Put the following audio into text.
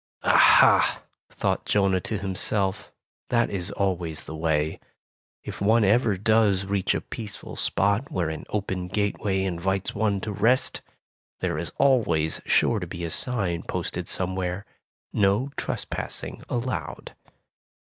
''Aha!" thought Jonah to himself, "that is always the way. If one ever does reach a peaceful spot where an open gateway invites one to rest, there is always sure to be a sign posted somewhere, 'No tres passing allowed.